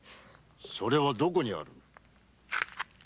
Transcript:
それはどこにある？